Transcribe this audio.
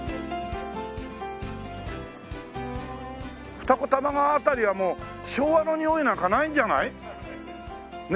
二子玉川辺りはもう昭和のにおいなんかないんじゃない？ねえ。